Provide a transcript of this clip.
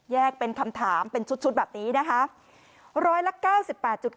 เป็นคำถามเป็นชุดแบบนี้นะคะ